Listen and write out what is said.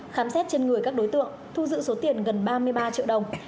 khám xét trên người các đối tượng thu giữ số tiền gần ba mươi ba triệu đồng